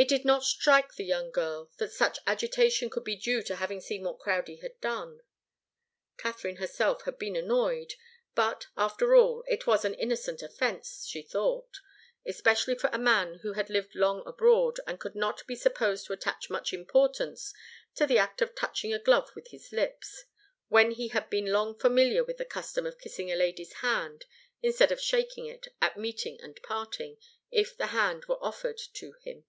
It did not strike the young girl that such agitation could be due to having seen what Crowdie had done. Katharine herself had been annoyed, but, after all, it was an innocent offence, she thought, especially for a man who had lived long abroad, and could not be supposed to attach much importance to the act of touching a glove with his lips, when he had been long familiar with the custom of kissing a lady's hand instead of shaking it at meeting and parting, if the hand were offered to him.